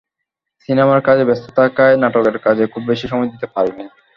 সিনেমার কাজে ব্যস্ত থাকায় নাটকের কাজে খুব বেশি সময় দিতে পারিনি।